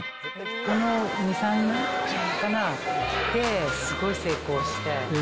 この２、３年かな、すごい成功して。